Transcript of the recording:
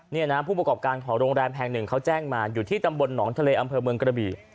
นี่นะผู้ประกอบการของโรงแรมแห่งหนึ่งเขาแจ้งมาอยู่ที่ตำบลหนองทะเลอำเภอเมืองกระบี่